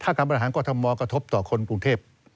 ถ้าการประหลาดกรณมองกฐบต่อคนปรุงเทศ